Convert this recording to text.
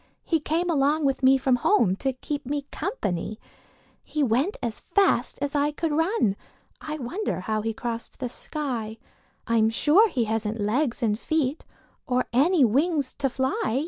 He came along with me from home To keep me company. He went as fast as I could run; I wonder how he crossed the sky? I'm sure he hasn't legs and feet Or any wings to fly.